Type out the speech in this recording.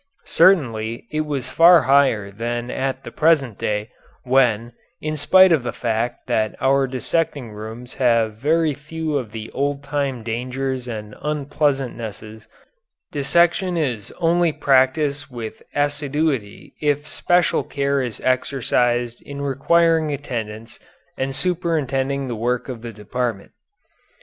Certainly it was far higher than at the present day, when, in spite of the fact that our dissecting rooms have very few of the old time dangers and unpleasantnesses, dissection is only practised with assiduity if special care is exercised in requiring attendance and superintending the work of the department.